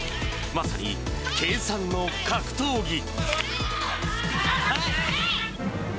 まさに計算の格闘技。